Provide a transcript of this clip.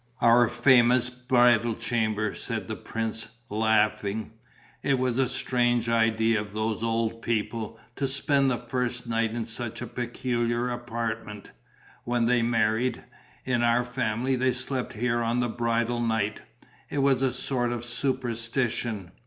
"Our famous bridal chamber," said the prince, laughing. "It was a strange idea of those old people, to spend the first night in such a peculiar apartment. When they married, in our family, they slept here on the bridal night. It was a sort of superstition.